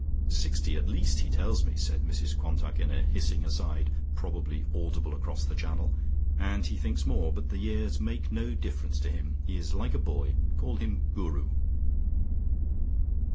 "Sixty at least he tells me," said Mrs Quantock in a hissing aside, probably audible across the channel, "and he thinks more, but the years make no difference to him. He is like a boy. Call him 'Guru.'"